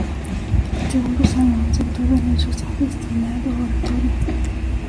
El segundo salón -sector derecho- está destinado a oratorio.